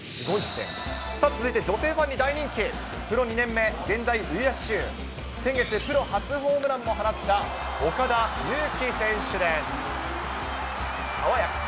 続いて女性ファンに大人気、プロ２年目、現在、ウィッシュ、先月プロ初ホームランも放った岡田悠希選手です。